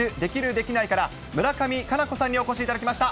できない？から、村上佳菜子さんにお越しいただきました。